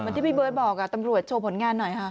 ที่พี่เบิร์ตบอกตำรวจโชว์ผลงานหน่อยค่ะ